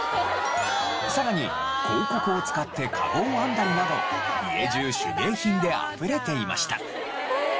さらに広告を使ってかごを編んだりなど家中手芸品であふれていました。